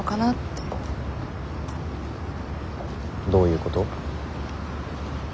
どういうこと？